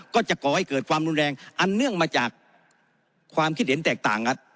ก่อให้เกิดความรุนแรงอันเนื่องมาจากความคิดเห็นแตกต่างครับ